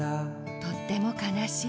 とってもかなしい。